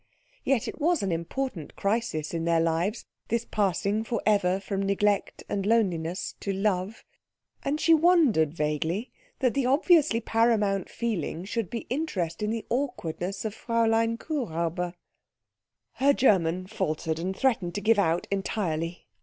Yet it was an important crisis in their lives, this passing for ever from neglect and loneliness to love, and she wondered vaguely that the obviously paramount feeling should be interest in the awkwardness of Fräulein Kuhräuber. Her German faltered, and threatened to give out entirely.